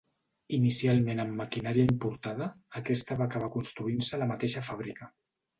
Inicialment amb maquinària importada, aquesta va acabar construint-se a la mateixa fàbrica.